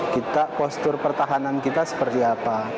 kita postur pertahanan kita seperti apa